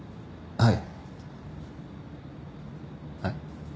はい。